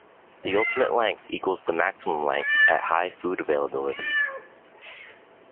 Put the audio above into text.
The ultimate length equals the maximum length at high food availabilities.